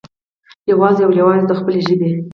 يوازې او يوازې د خپلو ژبې